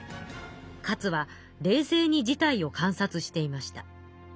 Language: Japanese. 勝は冷静に事態を観察していました。